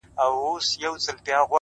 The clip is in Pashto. د تورو شپو پر تك تور تخت باندي مــــــا؛